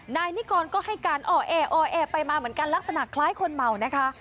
นายนิกรก็ให้การอ่อแอไปมาเหมือนกันลักษณะคล้ายคนเมานะคะ